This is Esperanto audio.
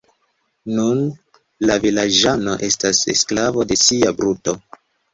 Nun la vilaĝano estas sklavo de sia bruto.